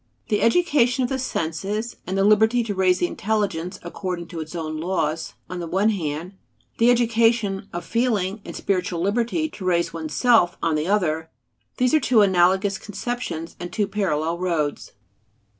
The education of the senses, and liberty to raise the intelligence according to its own laws on the one hand; the education of feeling, and spiritual liberty to raise oneself, on the other these are two analogous conceptions and two parallel roads.